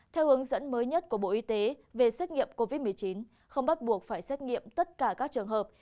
theo hướng dẫn mới nhất của bộ y tế về xét nghiệm covid một mươi chín không bắt buộc phải xét nghiệm tất cả các trường hợp